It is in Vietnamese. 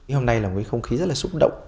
hôm nay là một không khí rất là xúc động